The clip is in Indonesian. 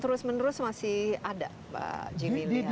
terus menerus masih ada pak jimmy